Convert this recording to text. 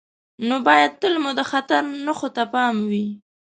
نو باید تل مو د خطر نښو ته پام وي.